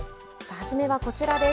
初めはこちらです。